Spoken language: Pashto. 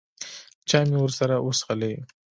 چای مې ورسره وڅښلې.